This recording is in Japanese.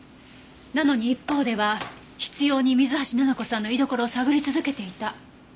なのに一方では執拗に水橋奈々子さんの居所を探り続けていた。